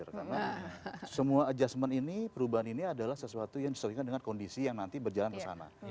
karena semua adjustment ini perubahan ini adalah sesuatu yang disesuaikan dengan kondisi yang nanti berjalan kesana